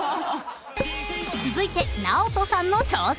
［続いてＮＡＯＴＯさんの挑戦］